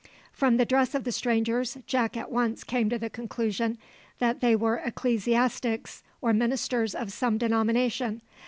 From the dress of the strangers, Jack at once came to the conclusion that they were ecclesiastics or ministers of some denomination.